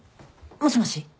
もしもし。